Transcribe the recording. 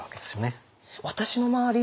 私の周り